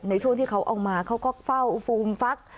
ในช่วงที่เขาเอามาเขาก็เฝ้าฟูมฟัก